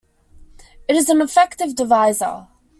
It is an effective divisor.